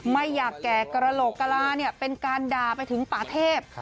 ไม่อยากแก่กระโหลกกระลาเนี่ยเป็นการด่าไปถึงป่าเทพ